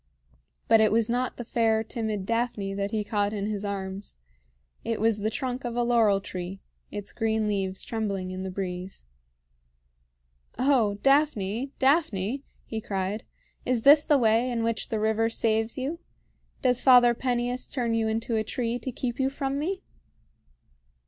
But it was not the fair, timid Daphne that he caught in his arms; it was the trunk of a laurel tree, its green leaves trembling in the breeze. "O Daphne! Daphne!" he cried, "is this the way in which the river saves you? Does Father Peneus turn you into a tree to keep you from me?"